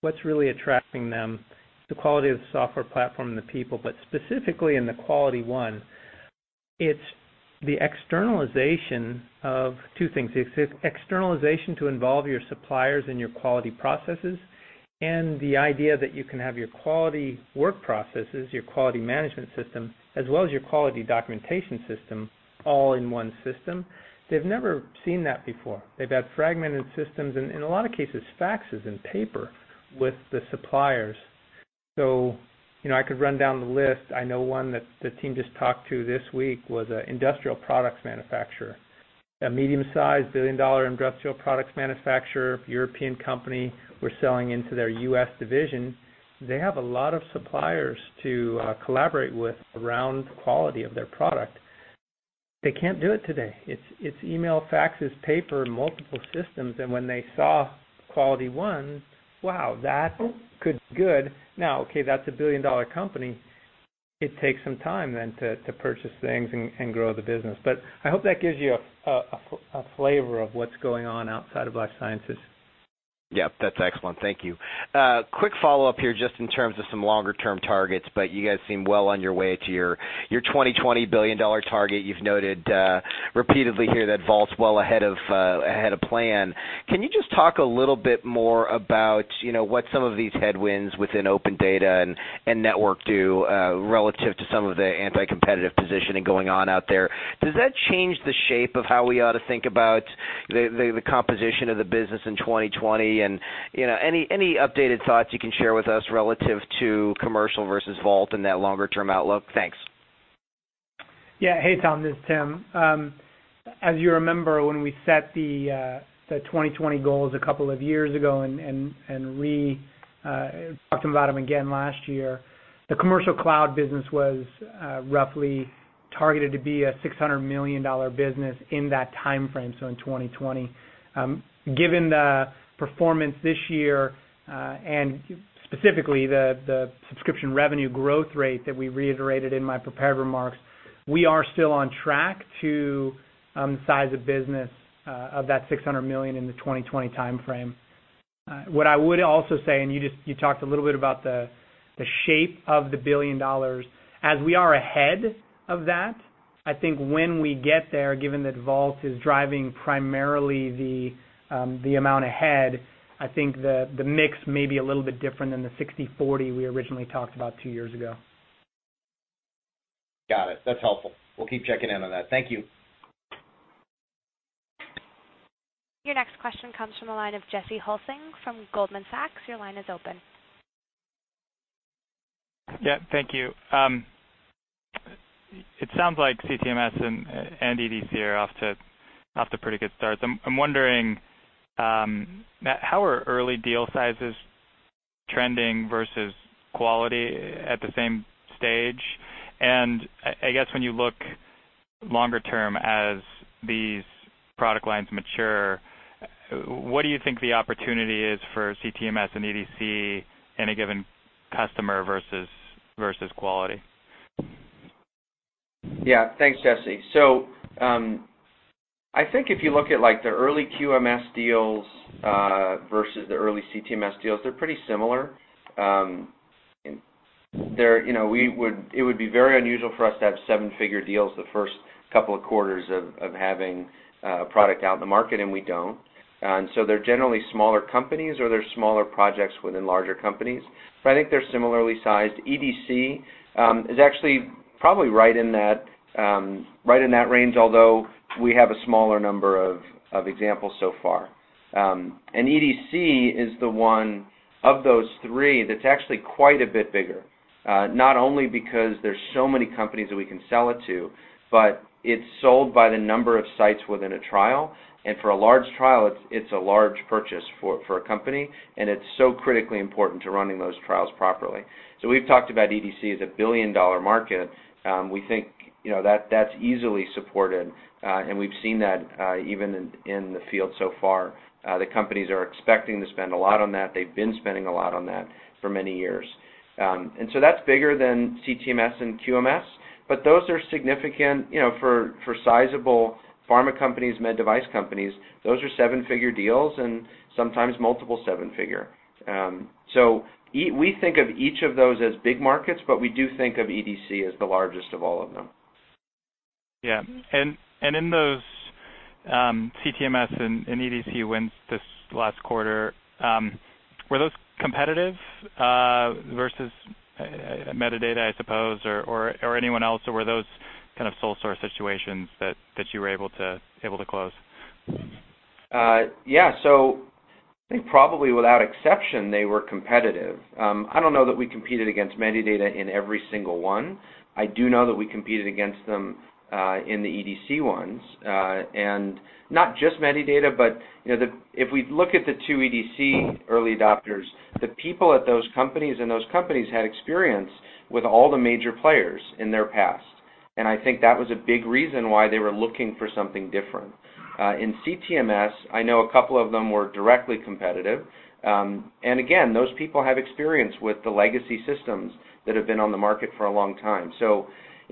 [SPEAKER 3] What's really attracting them? The quality of the software platform and the people, but specifically in the QualityOne, it's the externalization of two things. Externalization to involve your suppliers and your quality processes, and the idea that you can have your quality work processes, your quality management system, as well as your quality documentation system all in 1 system. They've never seen that before. They've had fragmented systems, and in a lot of cases, faxes and paper with the suppliers. You know, I could run down the list. I know one that the team just talked to this week was an industrial products manufacturer, a medium-sized billion-dollar industrial products manufacturer, European company. We're selling into their U.S. division. They have a lot of suppliers to collaborate with around quality of their product. They can't do it today. It's email, faxes, paper, multiple systems. When they saw QualityOne, wow, that could be good. Now, okay, that's a billion-dollar company. It takes some time then to purchase things and grow the business. I hope that gives you a flavor of what's going on outside of life sciences.
[SPEAKER 10] Yeah, that's excellent. Thank you. Quick follow-up here just in terms of some longer-term targets, you guys seem well on your way to your 2020 billion-dollar target. You've noted repeatedly here that Vault's well ahead of plan. Can you just talk a little more about, you know, what some of these headwinds within OpenData and Network do relative to some of the anti-competitive positioning going on out there? Does that change the shape of how we ought to think about the composition of the business in 2020? You know, any updated thoughts you can share with us relative to commercial versus Vault in that longer term outlook? Thanks.
[SPEAKER 4] Yeah. Hey, Tom, this is Tim. As you remember, when we set the 2020 goals a couple of years ago and talked about them again last year, the Veeva Commercial Cloud business was roughly targeted to be a $600 million business in that timeframe, so in 2020. Given the performance this year, and specifically the subscription revenue growth rate that we reiterated in my prepared remarks, we are still on track to the size of business of that $600 million in the 2020 timeframe. What I would also say, and you talked a little bit about the shape of the $1 billion. As we are ahead of that, I think when we get there, given that Vault is driving primarily the amount ahead, I think the mix may be a little bit different than the 60/40 we originally talked about two years ago
[SPEAKER 10] Got it. That's helpful. We'll keep checking in on that. Thank you.
[SPEAKER 1] Your next question comes from the line of Jesse Hulsing from Goldman Sachs. Your line is open.
[SPEAKER 11] Yeah. Thank you. It sounds like CTMS and EDC are off to pretty good starts. I'm wondering how are early deal sizes trending versus Quality at the same stage. I guess when you look longer term as these product lines mature, what do you think the opportunity is for CTMS and EDC in a given customer versus Quality?
[SPEAKER 8] Thanks, Jesse. I think if you look at like the early QMS deals versus the early CTMS deals, they're pretty similar. You know, it would be very unusual for us to have seven-figure deals the first couple of quarters of having a product out in the market, and we don't. They're generally smaller companies or they're smaller projects within larger companies. I think they're similarly sized. EDC is actually probably right in that right in that range, although we have a smaller number of examples so far. EDC is the one of those three that's actually quite a bit bigger, not only because there's so many companies that we can sell it to, but it's sold by the number of sites within a trial. For a large trial, it's a large purchase for a company, and it's so critically important to running those trials properly. We've talked about EDC as a $1 billion market. We think, you know, that's easily supported, and we've seen that even in the field so far. The companies are expecting to spend a lot on that. They've been spending a lot on that for many years. That's bigger than CTMS and QMS, but those are significant, you know, for sizable pharma companies, med device companies, those are seven-figure deals and sometimes multiple seven-figure. We think of each of those as big markets, but we do think of EDC as the largest of all of them.
[SPEAKER 11] Yeah. In those, CTMS and EDC wins this last quarter, were those competitive, versus Medidata, I suppose, or anyone else? Or were those kind of sole source situations that you were able to close?
[SPEAKER 8] Yeah. I think probably without exception, they were competitive. I don't know that we competed against Medidata in every single one. I do know that we competed against them in the EDC ones. Not just Medidata, but, you know, if we look at the two EDC early adopters, the people at those companies and those companies had experience with all the major players in their past. I think that was a big reason why they were looking for something different. In CTMS, I know a couple of them were directly competitive. Again, those people have experience with the legacy systems that have been on the market for a long time.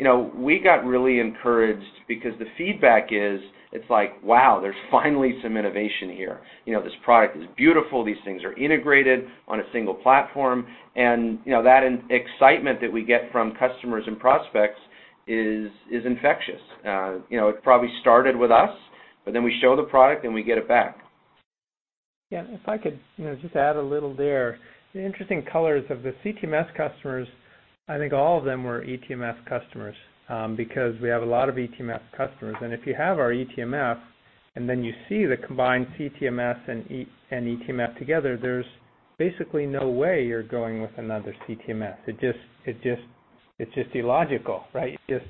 [SPEAKER 8] You know, we got really encouraged because the feedback is it's like, "Wow, there's finally some innovation here. You know, this product is beautiful. These things are integrated on a single platform. You know, that excitement that we get from customers and prospects is infectious. You know, it probably started with us, but then we show the product and we get it back.
[SPEAKER 3] Yeah. If I could, you know, just add a little there. The interesting colors of the CTMS customers, I think all of them were eTMF customers because we have a lot of eTMF customers. If you have our eTMF and then you see the combined CTMS and eTMF together, there's basically no way you're going with another CTMS. It just, it's just illogical, right? Just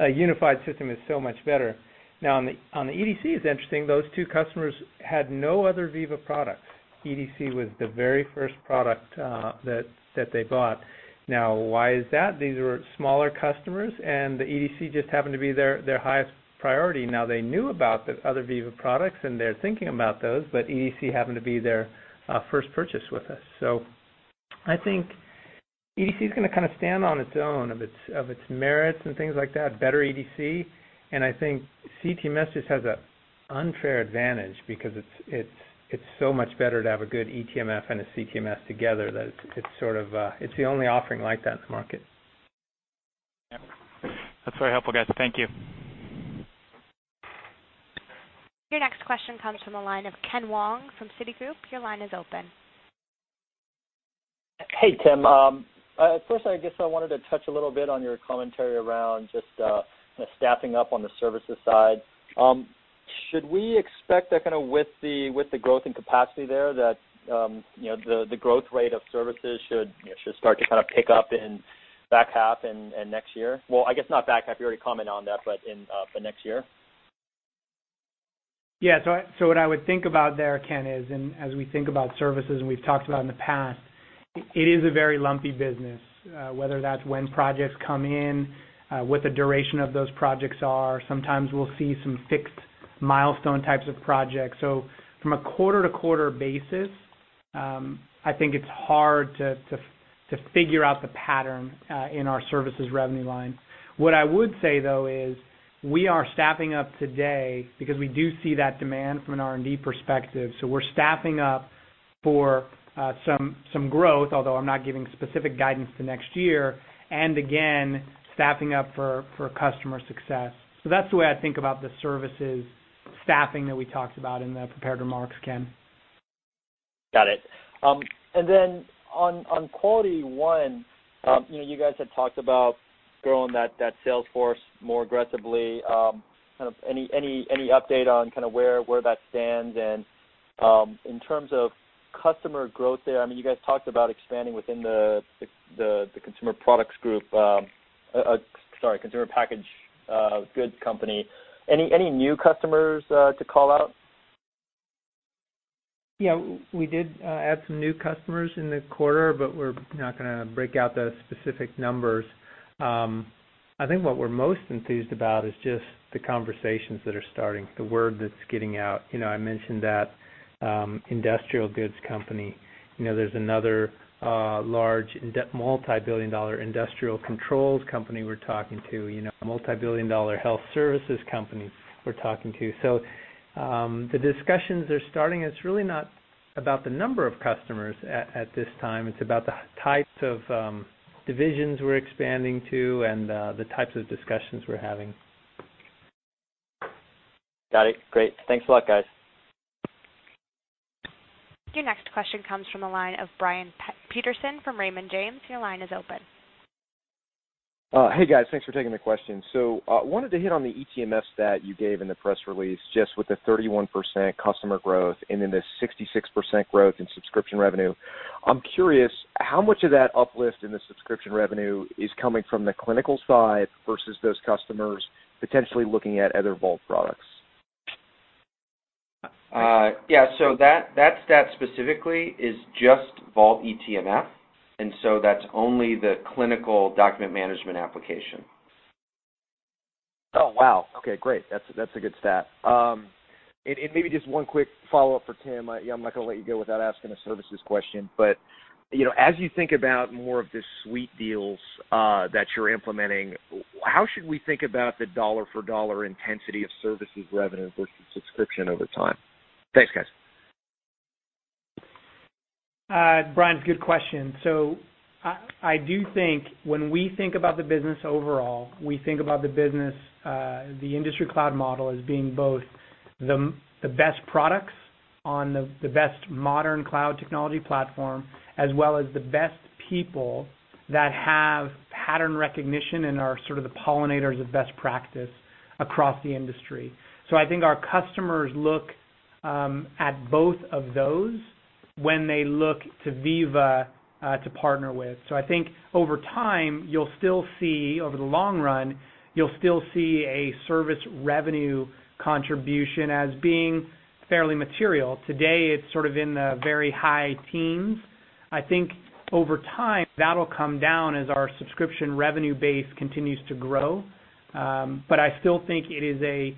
[SPEAKER 3] a unified system is so much better. Now, on the EDC, it's interesting. Those two customers had no other Veeva product. EDC was the very first product that they bought. Now, why is that? These were smaller customers, and the EDC just happened to be their highest priority. Now, they knew about the other Veeva products, and they're thinking about those, but EDC happened to be their first purchase with us. I think EDC is gonna kind of stand on its own of its merits and things like that, better EDC. I think CTMS just has an unfair advantage because it's so much better to have a good eTMF and a CTMS together that it's sort of, it's the only offering like that in the market.
[SPEAKER 11] Yeah. That's very helpful, guys. Thank you.
[SPEAKER 1] Your next question comes from the line of Ken Wong from Citigroup. Your line is open.
[SPEAKER 12] Hey, Tim. First, I guess I wanted to touch a little bit on your commentary around just staffing up on the services side. Should we expect that kind of with the growth and capacity there that, you know, the growth rate of services should, you know, start to kind of pick up in back half and next year? I guess not back half, you already commented on that, but for next year.
[SPEAKER 4] Yeah. What I would think about there, Ken, is and as we think about services and we've talked about in the past, it is a very lumpy business, whether that's when projects come in, what the duration of those projects are. Sometimes we'll see some fixed milestone types of projects. From a quarter-to-quarter basis, I think it's hard to figure out the pattern in our services revenue line. What I would say, though, is we are staffing up today because we do see that demand from an R&D perspective. We're staffing up for some growth, although I'm not giving specific guidance to next year, and again, staffing up for customer success. That's the way I think about the services staffing that we talked about in the prepared remarks, Ken.
[SPEAKER 12] Got it. On QualityOne, you know, you guys had talked about growing that sales force more aggressively. Any update on where that stands? In terms of customer growth there, I mean, you guys talked about expanding within the consumer products group, sorry, consumer packaged goods company. Any new customers to call out?
[SPEAKER 3] Yeah, we did add some new customers in the quarter, but we're not gonna break out the specific numbers. I think what we're most enthused about is just the conversations that are starting, the word that's getting out. You know, I mentioned that industrial goods company. You know, there's another large multi-billion-dollar industrial controls company we're talking to, you know, a multi-billion-dollar health services company we're talking to. The discussions are starting. It's really not about the number of customers at this time, it's about the types of divisions we're expanding to and the types of discussions we're having.
[SPEAKER 12] Got it. Great. Thanks a lot, guys.
[SPEAKER 1] Your next question comes from the line of Brian Peterson from Raymond James. Your line is open.
[SPEAKER 13] Hey, guys, thanks for taking the question. Wanted to hit on the eTMF stat you gave in the press release, just with the 31% customer growth and then the 66% growth in subscription revenue. I'm curious how much of that uplift in the subscription revenue is coming from the clinical side versus those customers potentially looking at other Vault products?
[SPEAKER 8] Yeah, that stat specifically is just Vault eTMF, and so that's only the clinical document management application.
[SPEAKER 13] Oh, wow. Okay, great. That's a good stat. Maybe just one quick follow-up for Tim. I, you know, I'm not gonna let you go without asking a services question. You know, as you think about more of the suite deals, that you're implementing, how should we think about the dollar-for-dollar intensity of services revenue versus subscription over time? Thanks, guys.
[SPEAKER 4] Brian, good question. I do think when we think about the business overall, we think about the business, the industry cloud model as being both the best products on the best modern cloud technology platform, as well as the best people that have pattern recognition and are sort of the pollinators of best practice across the industry. I think our customers look at both of those when they look to Veeva to partner with. I think over time, over the long run, you'll still see a service revenue contribution as being fairly material. Today, it's sort of in the very high teens. I think over time, that'll come down as our subscription revenue base continues to grow. I still think it is a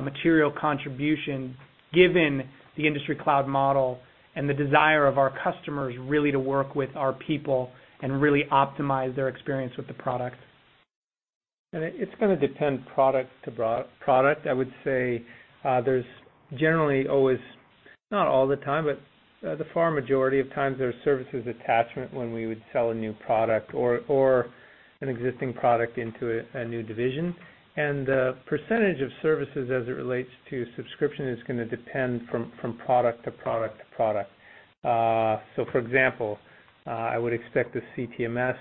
[SPEAKER 4] material contribution given the industry cloud model and the desire of our customers really to work with our people and really optimize their experience with the product.
[SPEAKER 3] It's gonna depend product to product. I would say, there's generally always, not all the time, but, the far majority of times, there's services attachment when we would sell a new product or an existing product into a new division. The percentage of services as it relates to subscription is gonna depend from product to product to product. So for example, I would expect the CTMS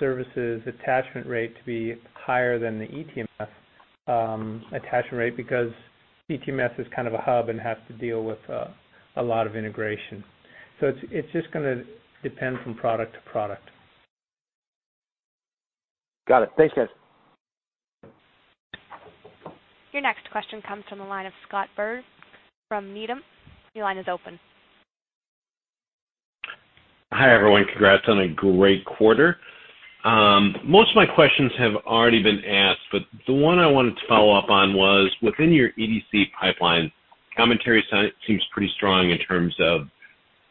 [SPEAKER 3] services attachment rate to be higher than the eTMF attachment rate because CTMS is kind of a hub and has to deal with a lot of integration. It's just gonna depend from product to product.
[SPEAKER 13] Got it. Thanks, guys.
[SPEAKER 1] Your next question comes from the line of Scott Berg from Needham. Your line is open.
[SPEAKER 14] Hi, everyone. Congrats on a great quarter. Most of my questions have already been asked, but the one I wanted to follow up on was within your EDC pipeline, commentary seems pretty strong in terms of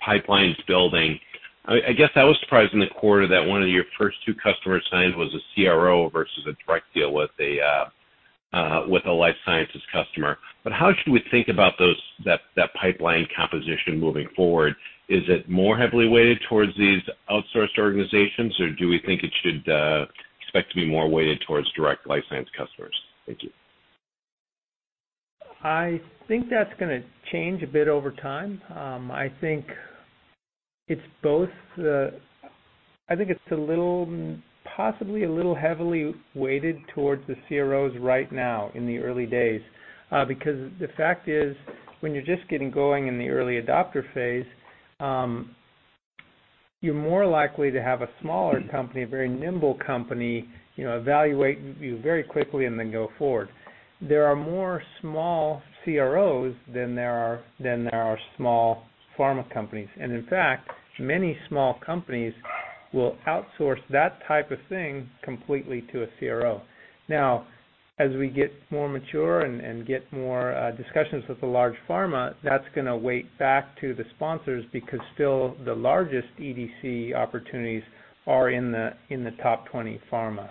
[SPEAKER 14] pipelines building. I guess I was surprised in the quarter that one of your first two customers signed was a CRO versus a direct deal with a life sciences customer. How should we think about that pipeline composition moving forward? Is it more heavily weighted towards these outsourced organizations, or do we think it should expect to be more weighted towards direct life science customers? Thank you.
[SPEAKER 3] I think that's gonna change a bit over time. I think it's both, I think it's a little, possibly a little heavily weighted towards the CROs right now in the early days. Because the fact is, when you're just getting going in the early adopter phase, you're more likely to have a smaller company, a very nimble company, you know, evaluate you very quickly and then go forward. There are more small CROs than there are small pharma companies. In fact, many small companies will outsource that type of thing completely to a CRO. As we get more mature and get more discussions with the large pharma, that's gonna weight back to the sponsors because still the largest EDC opportunities are in the top 20 pharma.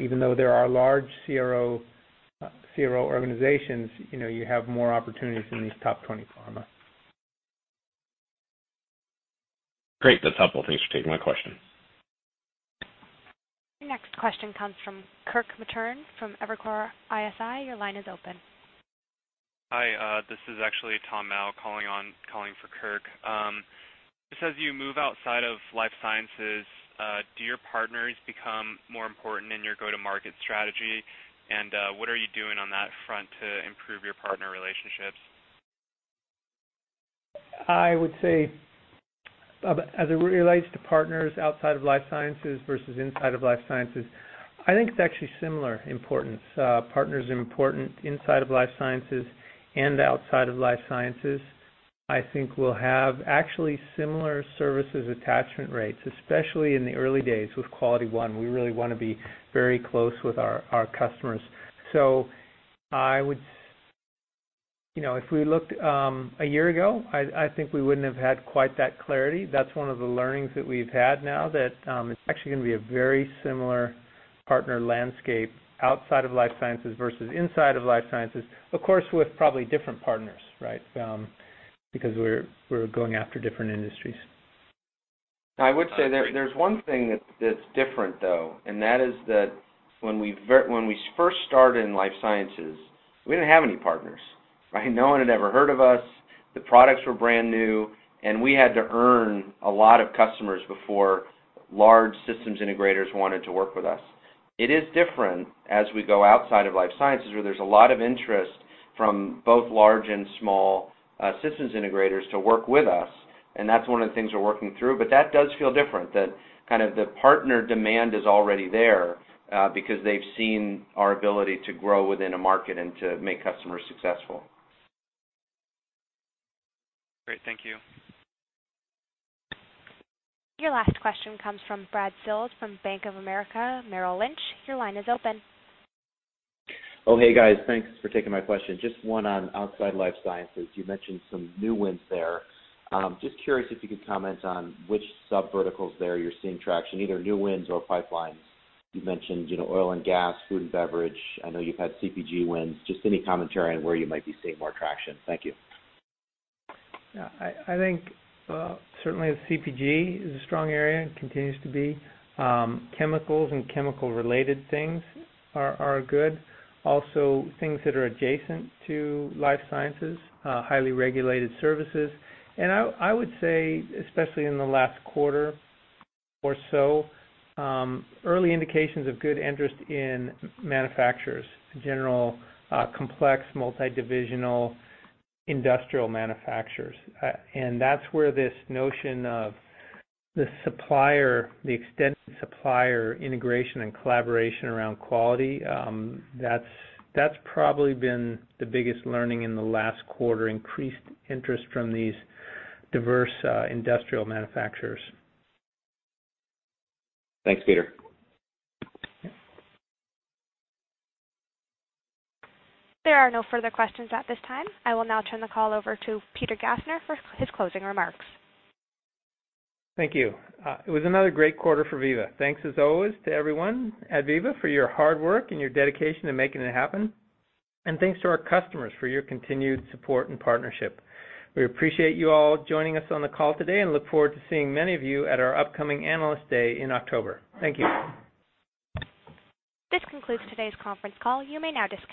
[SPEAKER 3] Even though there are large CRO organizations, you know, you have more opportunities in these top 20 pharma.
[SPEAKER 14] Great. That's helpful. Thanks for taking my question.
[SPEAKER 1] Your next question comes from Kirk Materne from Evercore ISI.
[SPEAKER 15] Hi. This is actually Tom Mao calling for Kirk. Just as you move outside of life sciences, do your partners become more important in your go-to-market strategy? What are you doing on that front to improve your partner relationships?
[SPEAKER 3] I would say, as it relates to partners outside of life sciences versus inside of life sciences, I think it's actually similar importance. Partners are important inside of life sciences and outside of life sciences. I think we'll have actually similar services attachment rates, especially in the early days with QualityOne. We really wanna be very close with our customers. So I would You know, if we looked, a year ago, I think we wouldn't have had quite that clarity. That's one of the learnings that we've had now that, it's actually gonna be a very similar partner landscape outside of life sciences versus inside of life sciences. Of course, with probably different partners, right? Because we're going after different industries.
[SPEAKER 8] I would say there's one thing that's different though, when we first started in life sciences, we didn't have any partners, right? No one had ever heard of us, the products were brand new, we had to earn a lot of customers before large systems integrators wanted to work with us. It is different as we go outside of life sciences, where there's a lot of interest from both large and small systems integrators to work with us, that's one of the things we're working through. That does feel different, that kind of the partner demand is already there because they've seen our ability to grow within a market and to make customers successful.
[SPEAKER 15] Great. Thank you.
[SPEAKER 1] Your last question comes from Brad Sills from Bank of America Merrill Lynch. Your line is open.
[SPEAKER 16] Oh, hey, guys. Thanks for taking my question. Just one on outside life sciences. You mentioned some new wins there. Curious if you could comment on which subverticals there you're seeing traction, either new wins or pipelines. You mentioned, you know, oil and gas, food and beverage. I know you've had CPG wins. Any commentary on where you might be seeing more traction. Thank you.
[SPEAKER 3] Yeah. I think, certainly the CPG is a strong area and continues to be. Chemicals and chemical-related things are good. Also, things that are adjacent to life sciences, highly regulated services. I would say, especially in the last quarter or so, early indications of good interest in manufacturers, general, complex, multidivisional industrial manufacturers. That's where this notion of the supplier, the extended supplier integration and collaboration around quality, that's probably been the biggest learning in the last quarter, increased interest from these diverse industrial manufacturers.
[SPEAKER 16] Thanks, Peter.
[SPEAKER 3] Yeah.
[SPEAKER 1] There are no further questions at this time. I will now turn the call over to Peter Gassner for his closing remarks.
[SPEAKER 3] Thank you. It was another great quarter for Veeva. Thanks as always to everyone at Veeva for your hard work and your dedication to making it happen. Thanks to our customers for your continued support and partnership. We appreciate you all joining us on the call today, and look forward to seeing many of you at our upcoming Analyst Day in October. Thank you.
[SPEAKER 1] This concludes today's conference call. You may now disconnect.